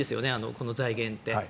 この財源って。